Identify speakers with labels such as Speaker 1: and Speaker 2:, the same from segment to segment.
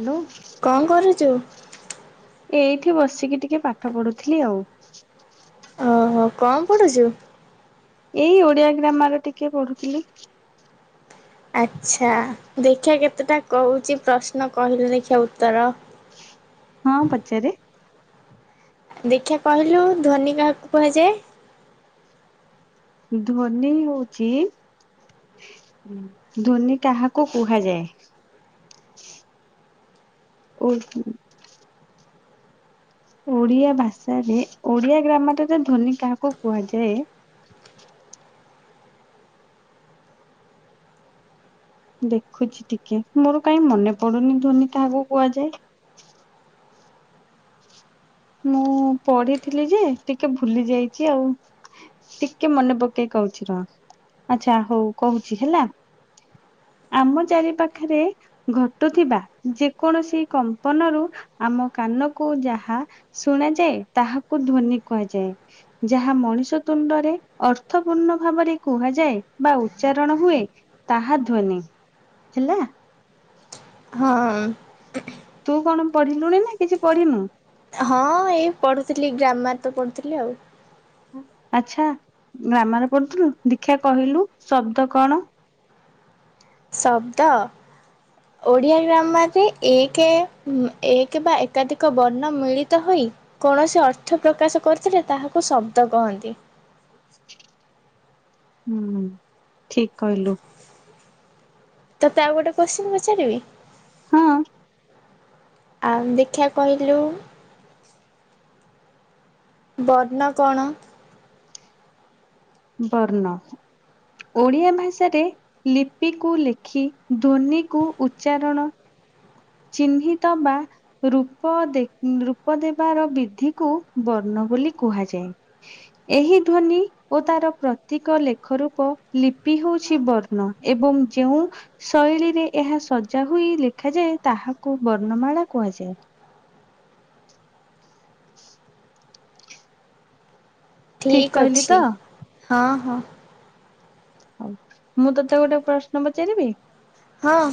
Speaker 1: Hello.
Speaker 2: କଣ କରୁଛୁ?
Speaker 1: ଏଇଠି ବସିକି ଟିକେ ପାଠ ପଢୁଥିଲି ଆଉ।
Speaker 2: ଓହୋ କଣ ପଢୁଛୁ?
Speaker 1: ଏଇ ଓଡିଆ ଗ୍ରାମାର ଟିକେ ପଢୁଥିଲି।
Speaker 2: ଆଚ୍ଛା ଦେଖିଆ କେତେଟା କହୁଛି ପ୍ରଶ୍ନ କହିଲୁ ଦେଖିିବା ଉତ୍ତର?
Speaker 1: ହଁ ପଚାରେ।
Speaker 2: ଦେଖିଆ କହିଲୁ ଧୋନି କାହାକୁ କୁହାଯାଏ?
Speaker 1: ଧୋନି ହଉଛି ଧୋନି କାହାକୁ କୁହାଯାଏ? ଓହୋ। ଓଡ଼ିଆ ଭାଷାରେ ଓଡ଼ିଆ ଗ୍ରାମାରଟାରେ ଧ୍ୱନି କାହାକୁ କୁହାଯାଏ? ଦେଖୁଛି ଟିକେ ମୋର କାଇଁ ମନେ ପଡୁନି। ଧୋନି କାହାକୁ କୁହାଯାଏ? ମୁଁ ପଢିଥିଲି ଯେ ଟିକେ ଭୁଲି ଯାଇଛି ଆଉ। ଟିକେ ମନେ ପକେଇ କହୁଛି ରହ। ଆଚ୍ଛା ହଉ କହୁଛି ହେଲା। ଆମ ଚାରି ପାଖରେ ଘଟୁଥିବା ଯେ କୌଣସି କମ୍ପନରୁ ଆମ କାନକୁ ଯାହା ଶୁଣାଯାଏ, ତାହାକୁ ଧୋନି କୁହାଯାଏ। ଯାହା ମଣିଷ ତୁଣ୍ଡରେ ଅର୍ଥପୂର୍ଣ୍ଣ ଭାବରେ କୁହାଯାଏ ବା ଉଚ୍ଚାରଣ ହୁଏ। ତାହା ଧ୍ୱନି ହେଲା।
Speaker 2: ହଁ
Speaker 1: ତୁ କଣ ପଢିଲୁଣି ନା କିଛି ପଢିନୁ?
Speaker 2: ହଁ ଏଇ ପଢୁଥିଲି ଗ୍ରାମାର୍ ତ ପଢୁଥିଲି ଆଉ।
Speaker 1: ଆଚ୍ଛା ଗ୍ରାମର ପଢୁଥିଲୁ। ଦେଖିଆ କହିଲୁ ଶବ୍ଦ କଣ?
Speaker 2: ଶବ୍ଦ। ଓଡ଼ିଆ ଗ୍ରାମର୍ ରେ ଏକ ଏକ ବା ଏକାଧିକ ବର୍ଣ୍ଣ ମିଳିତ ହୋଇ କୌଣସି ଅର୍ଥ ପ୍ରକାଶ କରୁଥିଲେ ତାହାକୁ ଶବ୍ଦ କହନ୍ତି।
Speaker 1: ହୁଁ ଠିକ୍ କହିଲୁ।
Speaker 2: ତୋତେ ଆଉ ଗୋଟେ କୋଶ୍ଚିନ୍ ପାଚାରିବି?
Speaker 1: ହଁ
Speaker 2: ଆଉ ଦେଖିଆ କହିଲୁ? ବର୍ଣ୍ଣ କଣ?
Speaker 1: ବର୍ଣ୍ଣ। ଓଡ଼ିଆ ଭାଷାରେ ଲିପିକୁ ଲେଖି ଧ୍ୱନିକୁ ଉଚ୍ଚାରଣ ଚିହ୍ନିତ ବା ରୂପ ଦେ ରୂପ ଦେବାର ବିଧିକୁ ବର୍ଣ୍ଣ ବୋଲି କୁହାଯାଏ। ଏହି ଧ୍ୱନି ଓ ତାର ପ୍ରତୀକ ଲେଖ ରୂପ ଲିପି ହେଉଛି ବର୍ଣ୍ଣ। ଏବଂ ଯେଉଁ ଶୈଳୀରେ ଏହା ସଜା ହୋଇ ଲେଖାଯାଏ ତାହାକୁ ବର୍ଣ୍ଣମାଳା କୁହାଯାଏ।
Speaker 2: ଠିକ
Speaker 1: କହିଲି ତ
Speaker 2: ଅଛି। ହଁ ହଁ।
Speaker 1: ହଉ ମୁଁ ତତେ ଗୋଟେ ପ୍ରଶ୍ନ ପଚାରିବି?
Speaker 2: ହଁ।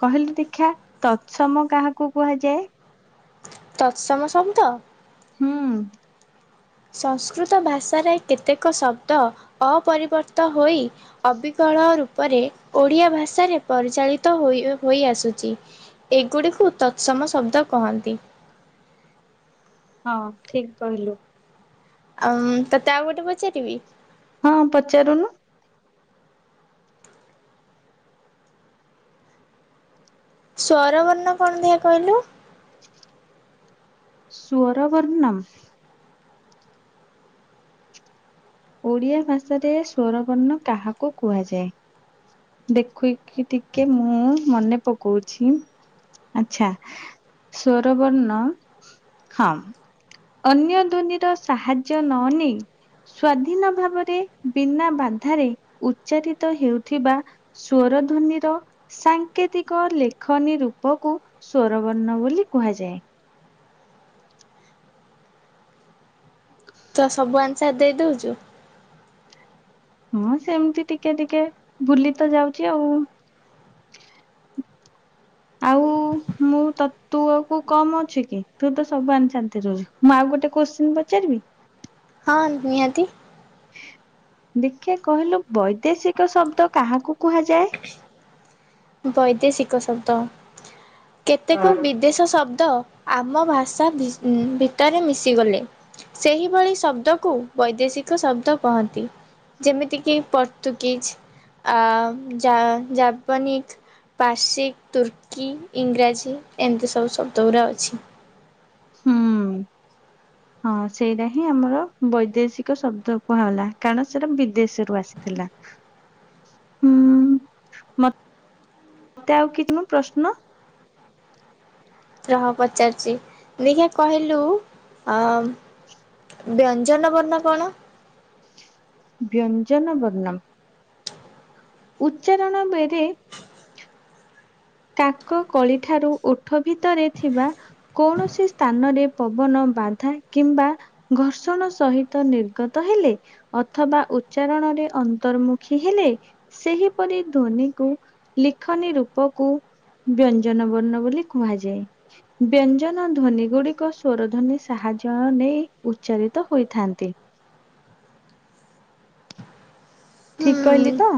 Speaker 1: କହିଲୁ ଦେଖିବା ତତ୍ସମ କାହାକୁ କୁହାଯାଏ?
Speaker 2: ତତ୍ସମ ଶବ୍ଦ।
Speaker 1: ହୁଁ।
Speaker 2: ସଂସ୍କୃତ ଭାଷାରେ କେତେକ ଶବ୍ଦ ଅପରିବର୍ତ୍ତ ହୋଇ ଅବିକଳ ରୂପରେ ଓଡିଆ ଭାଷାରେ ପରିଚାଳିତ ହୋଇ ହୋଇ ଆସୁଛି। ଏଗୁଡ଼ିକୁ ତତ୍ସମ ଶବ୍ଦ କହନ୍ତି।
Speaker 1: ହଁ ଠିକ କହିଲୁ।
Speaker 2: ଆଉ ତତେ ଆଉ ଗୋଟେ ପଚାରିବି।
Speaker 1: ହଁ ପଚାରୁନୁ।
Speaker 2: ସ୍ୱରବର୍ଣ୍ଣ କଣ ଦିଆ କହିଲୁ?
Speaker 1: ସ୍ଵର ବର୍ଣ୍ଣମ୍। ଓଡ଼ିଆ ଭାଷାରେ ସ୍ୱରବର୍ଣ୍ଣ କାହାକୁ କୁହାଯାଏ? ଦେଖେଇକି ଟିକେ ମୁଁ ମନେ ପକଉଛି ଆଛା। ସ୍ଵରବର୍ଣ୍ଣ ହଁ। ଅନ୍ୟ ଧ୍ୱନିର ସାହାଯ୍ୟ ନ ନେଇ ସ୍ଵାଧୀନ ଭାବରେ ବିନା ବାଧାରେ ଉଚ୍ଚାରିତ ହେଉଥିବା ସ୍ଵର ଧ୍ୱନିର ସାଙ୍କେତିକ ଲେଖନୀ ରୂପକୁ ସ୍ୱରବର୍ଣ୍ଣ ବୋଲି କୁହାଯାଏ। [inaudible]
Speaker 2: ତ ସବୁ ଆନ୍ସର ଦେଇଦଉଛୁ।
Speaker 1: ହଁ ସେମତି ଟିକେ ଟିକେ ଭୁଲି ତ ଯାଉଛି ଆଉ।
Speaker 2: [inaudible]
Speaker 1: ଆଉ ମୁଁ ତ ତୁ ଆଉ କମ ଅଛୁ କି ତୁ ତ ସବୁ ଏନ୍ସର ଦେଇ ମୁଁ ଆଉ ଗୋଟେ କୋଶ୍ଚେନ୍ ପଚାରିବି।
Speaker 2: ହଁ ନିହାତି।
Speaker 1: ଦେଖିବା କହିଲୁ ବୈଦେଶିକ ଶବ୍ଦ କାହାକୁ କୁହାଯାଏ?
Speaker 2: ବୈଦେଶିକ ଶବ୍ଦ କେତେକ ବି ଦେଶ ଶବ୍ଦ ଆମ ଭାଷା ଭିତରେ ମିଶିଗଲେ ସେହିଭଳି ଶବ୍ଦକୁ ବୈଦେଶିକ ଶବ୍ଦ କହନ୍ତି। ଯେମିତିକି ପର୍ତୁଗିଜ ଆ ଜା ଜାବନୀକ ପାର୍ସି ତୁର୍କୀ ଇଂରାଜୀ ଏମିତି ସବୁ ଶବ୍ଦ ଗୁଡ଼ା ଅଛି।
Speaker 1: ହୁଁ।
Speaker 2: ହ
Speaker 1: ହଁ ସେଇଟା ହିଁ ଆମର ବୈଦେଶିକ ଶବ୍ଦ କୁହାଗଲା କାରଣ ସେଇଟା ବିଦେଶରୁ ଆସିଥିଲା।
Speaker 2: [inaudible]
Speaker 1: ହୁଁ ମତେ ଆଉ କିଛି ପ୍ରଶ୍ନ।
Speaker 2: ରହ ପଚାରୁଛି ଦେଖିବା କହିଲୁ। ବ୍ୟଞ୍ଜନ ବର୍ଣ୍ଣ କଣ?
Speaker 1: ବ୍ୟଞ୍ଜନ ବର୍ଣ୍ଣ। ଉଚ୍ଚାରଣ ବେରେ। କାକ କଳି ଠାରୁ ଓଠ ଭିତରେ ଥିବା। କୌଣସି ସ୍ଥାନରେ ପବନ ବାଧା କିମ୍ବା। ଘର୍ଷଣ ସହିତ ନିର୍ଗତ ହେଲେ। ଅଥବା ଉଚ୍ଚାରଣରେ ଅନ୍ତର୍ମୁଖୀ ହେଲେ। ସେହିପରି ଧୋନିକୁ ଲିଖନୀ ରୂପକୁ। ବ୍ୟଞ୍ଜନ ବର୍ଣ୍ଣ ବୋଲି କୁହାଯାଏ। ବ୍ୟଞ୍ଜନ ଧ୍ୱନି ଗୁଡିକ ସ୍ୱରଧ୍ୱନି ସାହାଯ୍ୟ ନେଇ ଉଚ୍ଚାରିତ ହୋଇଥାନ୍ତି।
Speaker 2: ହୁଁ
Speaker 1: ଠିକ କହିଲି ତ।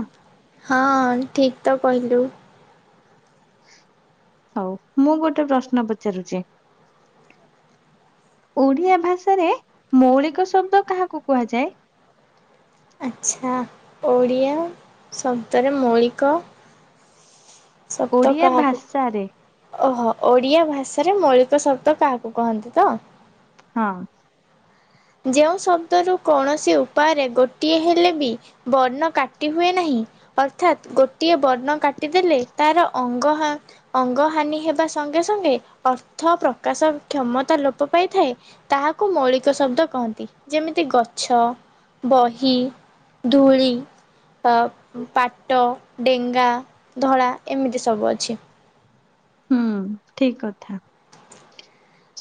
Speaker 2: ହଁ ଠିକ ତ କହିଲୁ।
Speaker 1: ହଉ ମୁଁ ଗୋଟେ ପ୍ରଶ୍ନ ପଚାରୁଛି। ଓଡିଆ ଭାଷାରେ ମୌଳିକ ଶବ୍ଦ କାହାକୁ କୁହାଯାଏ?
Speaker 2: ଆଚ୍ଛା ଓଡ଼ିଆ ଶବ୍ଦରେ ମୌଳିକ। ଶବ୍ଦ
Speaker 1: ଓଡ଼ିଆ
Speaker 2: କାହାକୁ।
Speaker 1: ଭାଷାରେ
Speaker 2: ଓହୋ ଓଡିଆ ଭାଷାରେ ମୌଳିକ ଶବ୍ଦ କାହାକୁ କହନ୍ତିତ।
Speaker 1: ହଁ।
Speaker 2: ଯେଉଁ ଶବ୍ଦରୁ କୌଣସି ଉପାୟରେ ଗୋଟିଏ ହେଲେବି ବର୍ଣ୍ଣ କାଟି ହୁଏନାହିଁ। ଅର୍ଥାତ ଗୋଟିଏ ବର୍ଣ୍ଣ କାଟିଦେଲେ ତାର ଅଙ୍ଗ। ଅଙ୍ଗ ହାନି ହେବା ସଙ୍ଗେ ସଙ୍ଗେ ଅର୍ଥ ପ୍ରକାଶ କ୍ଷମତା ଲୋପ ପାଇଥାଏ। ତାହାକୁ ମୌଳିକ ଶବ୍ଦ। କହନ୍ତି ଯେମିତି ଗଛ, ବହି, ଧୂଳି। ତ ପାଟ ଡେଙ୍ଗା ଧଳା ଏମିତି ସବୁ ଅଛି।
Speaker 1: ହୁଁ ଠିକ କଥା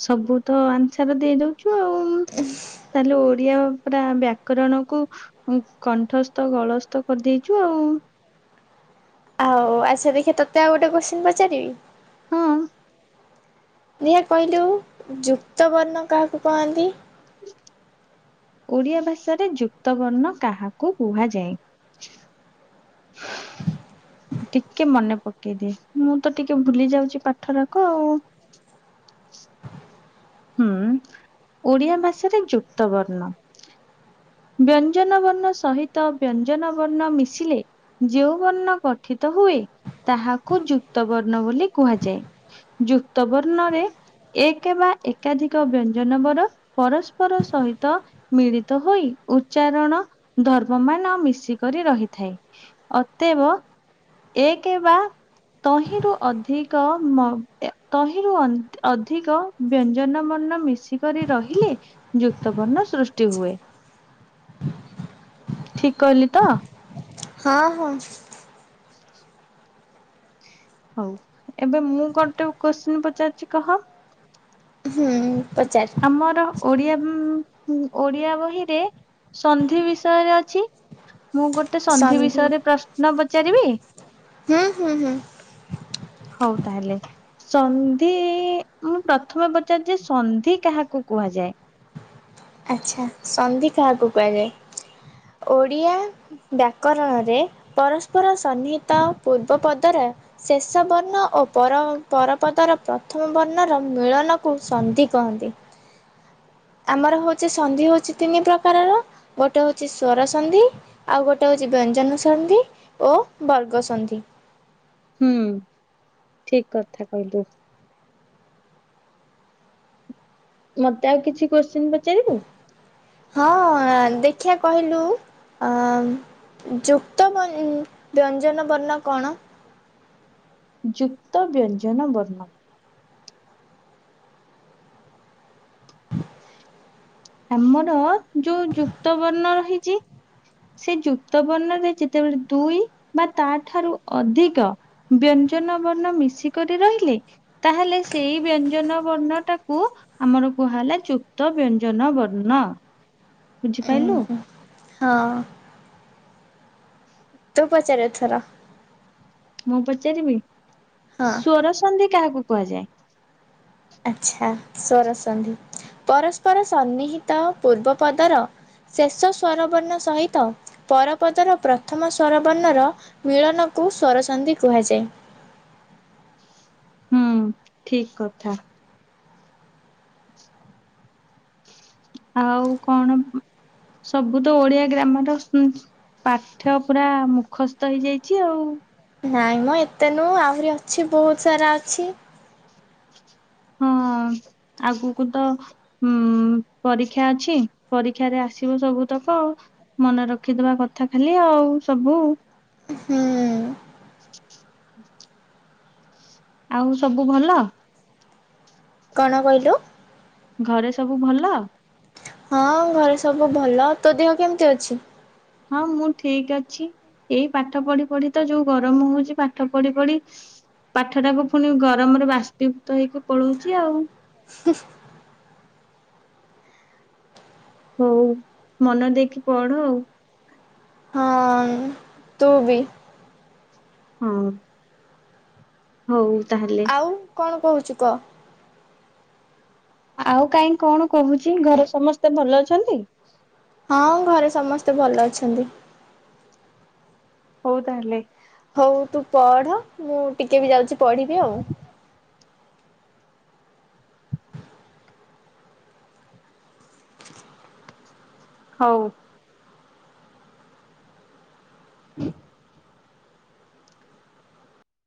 Speaker 1: ସବୁତ ଆନସର ଦେଇଦଉ। ଛୁ ଆଉ ତାହେଲେ ଓ ଓଡ଼ିଆ ପୁରା ବ୍ୟାକରଣକୁ କଣ୍ଠସ୍ଥ ଗଳସ୍ତ କରିଦେଇଚୁ ଆଉ।
Speaker 2: ହଉ ଆଛା ଦେଖେ ତୋତେ ଆଉ ଗୋଟେ କୋଶ୍ଚିିନ ପଚାରିବି।
Speaker 1: ହୁଁ।
Speaker 2: ଦେଖିଆ କହିଲୁ ଯୁକ୍ତ ବର୍ଣ୍ଣ କାହାକୁ କହନ୍ତି?
Speaker 1: ଓଡ଼ିଆ ଭାଷାରେ ଯୁକ୍ତ ବର୍ଣ୍ଣ କାହାକୁ କୁହାଯାଏ। ଟିକେ ମନେ ପକେଇଦିଏ ମୁଁ ତ ଟିକେ ଭୁଲି ଯାଉଚି ପାଠରାକ ଆଉ। ହୁଁ ଓଡିଆ ଭାଷାରେ ଯୁକ୍ତ ବର୍ଣ୍ଣ। ବ୍ୟଞ୍ଜନ ବର୍ଣ୍ଣ ସହିତ ବ୍ୟଞ୍ଜନ ବର୍ଣ୍ଣ ମିଶିଲେ। ଯେଉଁ ବର୍ଣ୍ଣ ଗଠିତ ହୁଏ ତାହାକୁ ଯୁକ୍ତ ବର୍ଣ୍ଣ ବୋଲି କୁହାଯାଏ। ଯୁକ୍ତ ବର୍ଣ୍ଣରେ। ଏକ ବା ଏକାଧିକ ବ୍ୟଞ୍ଜନ ବର ପରସ୍ପର ସହିତ। ମିଳିତ ହୋଇ। ଉଚ୍ଚାରଣ ଧର୍ମ ମାନ ମିଶିକରି ରହିଥାଏ ଅତେବ। ଏକେ ବା ତହିଁରୁ ଅଧିକ ମ ଏ ତହିଁରୁ ଅ-ଅଧିକ ବ୍ୟଞ୍ଜନ ବର୍ଣ୍ଣ ମିଶିକରି ରହିଲେ ଯୁକ୍ତ ବର୍ଣ୍ଣ ସୃଷ୍ଟି ହୁଏ। ଠିକ୍ କହିଲି ତ।
Speaker 2: ହଁ ହଁ।
Speaker 1: [unintelligible] ହଉ ଏବେ ମୁଁ ଗୋଟେ କୋଶ୍ଚିନ ପଚାରୁଛି କହ।
Speaker 2: ହୁଁ। ପଚାର
Speaker 1: ଆମର ଓଡିଆ ଓଡିଆ ବହିରେ ସନ୍ଧି ବିଷୟରେ ଅଛି। ମୁଁ ଗୋଟେ ସନ୍ଧି ବିଷୟରେ ପ୍ରଶ୍ନ ପଚାରିବି।
Speaker 2: ହୁଁ ହୁଁ ହୁଁ।
Speaker 1: ହଉ ତାହେଲେ। ସନ୍ଧି ମୁଁ ପ୍ରଥମେ ପଚାରୁଚି ସନ୍ଧି କାହାକୁ କୁହାଯାଏ?
Speaker 2: ଆଛା ସନ୍ଧି କାହାକୁ କୁହାଯାଏ। ଓଡିଆ ବ୍ୟାକରଣରେ ପରସ୍ପର ସନ୍ନିହିତ ପୂର୍ବ ପଦରେ ଶେଷ ବର୍ଣ୍ଣ ଓ ପର ପରପଦର ପ୍ରଥମ ବର୍ଣ୍ଣର ମିଳନକୁ ସନ୍ଧି କହନ୍ତି। ଆମର ହଉଚି ସନ୍ଧି ହଉଚି ତିନି ପ୍ରକାରର ଗୋଟେ ହଉଚି ସ୍ୱର ସନ୍ଧି ଆଉ ଗୋଟେ ହଉଚି ବ୍ୟଞ୍ଜନ ସନ୍ଧି ଓ ବର୍ଗ ସନ୍ଧି।
Speaker 1: ହୁଁ ଠିକ୍ କଥା କହିଲୁ। ମତେ ଆଉ କିଛି କୋଶ୍ଚିନ ପଚାରିବୁ?
Speaker 2: ହଁ ଦେଖିଆ କହିଲୁ ଅ ଯୁକ୍ତ ବ ବ୍ୟଞ୍ଜନ ବର୍ଣ୍ଣ କଣ?
Speaker 1: ଯୁକ୍ତ ବ୍ୟଞ୍ଜନ ବର୍ଣ୍ଣ ଆମର ଯୋଉ ଯୁକ୍ତ ବର୍ଣ୍ଣ ରହିଚି ସେ ଯୁକ୍ତ ବର୍ଣ୍ଣରେ ଯେତେବେଳେ ଦୁଇ ବା ତାଠାରୁ ଅଧିକ ବ୍ୟଞ୍ଜନ ବର୍ଣ୍ଣ ମିଶିକରି ରହିଲେ ତାହେଲେ ସେଇ ବ୍ୟଞ୍ଜନ ବର୍ଣ୍ଣଟାକୁ ଆମର କୁହାହେଲା ଯୁକ୍ତ ବ୍ୟଞ୍ଜନ। ଜନ ବର୍ଣ୍ଣ। ବୁଝିପାରିଲୁ।
Speaker 2: ହଁ। ତୁ ପଚାରେ ଏଥର।
Speaker 1: ମୁଁ ପଚାରିବି,
Speaker 2: ହଁ
Speaker 1: ସ୍ଵର ସନ୍ଧି କାହାକୁ କୁହାଯାଏ?
Speaker 2: ଆଛା ସ୍ଵର ସନ୍ଧି ପରସ୍ପର ସନ୍ନିହିତ ପୂର୍ବ ପଦର ଶେଷ ସ୍ୱରବର୍ଣ୍ଣ ସହିତ ପରପଦର ପ୍ରଥମ ସ୍ୱରବର୍ଣ୍ଣର ବିଳନକୁ ସ୍ୱରସନ୍ଧି କୁହାଯାଏ।
Speaker 1: ହୁଁ, ଠିକ୍ କଥା। ଆଉ କଣ ସବୁ ତ ଓଡିଆ ଗ୍ରାମର ପାଠ ପୁରା ମୁଖସ୍ଥ ହେଇଯାଇଛି ଆଉ।
Speaker 2: ନାଇଁ ମ ଏତେ ନୁହଁ ଆହୁରି ଅଛି ବହୁତ ସାରା ଅଛି।
Speaker 1: ହଁ ଆଗକୁ ତ ହୁଁ ପରୀକ୍ଷା ଅଛି ପରୀକ୍ଷାରେ ଆସିବ ସବୁ ତକ ଆଉ। ମନେ ରଖିଥିବା କଥା ଖାଲି ଆଉ ସବୁ।
Speaker 2: ହୁଁ।
Speaker 1: ଆଉ ସବୁ ଭଲ?
Speaker 2: କଣ କହିଲୁ?
Speaker 1: ଘରେ ସବୁ ଭଲ
Speaker 2: ହଁ ଘରେ ସବୁ ଭଲ ତୋ ଦେହ କେମିତି ଅଛି?
Speaker 1: ହଁ ମୁଁ ଠିକ ଅଛି। ଏଇ ପାଠ ପଢି ପଢି ତ ଯୋଉ ଗରମ ହଉଛି ପାଠ ପଢି ପଢି ପାଠଟାକୁ ପୁଣି ଗରମରେ ବାସ୍ତିଭୂତ ହେଇକି ପଳଉଛି ଆଉ ହଉ ମନ ଦେଇକି ପଢ ଆଉ।
Speaker 2: ହଁ ତୁବି।
Speaker 1: ହଁ। ହଉ ତାହେଲେ
Speaker 2: ଆଉ କଣ କହୁଛୁ କହ?
Speaker 1: ଆଉ କାହିଁ କଣ କହୁଛି ଘରେ ସମସ୍ତେ ଭଲ ଅଛନ୍ତି?
Speaker 2: ହଁ ଘରେ ସମସ୍ତେ ଭଲ ଅଛନ୍ତି।
Speaker 1: ହଉ ତାହେଲେ।
Speaker 2: ହଉ ତୁ ପଢ ମୁଁ ଟିକେ ବି ଯାଉଛି ପଢିବି ଆଉ।
Speaker 1: ହଉ। [inaudible]